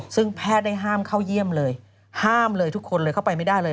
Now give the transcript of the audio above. ซึ่งแพทย์ได้ห้ามเข้าเยี่ยมเลยห้ามเลยทุกคนเลยเข้าไปไม่ได้เลย